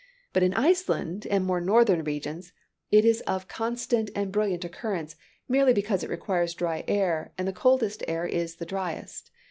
But in Iceland, and more northern regions, it is of constant and brilliant occurrence, merely because it requires dry air, and the coldest air is the driest.